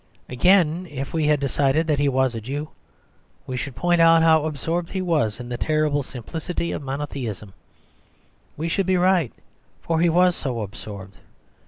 Again, if we had decided that he was a Jew, we should point out how absorbed he was in the terrible simplicity of monotheism: we should be right, for he was so absorbed.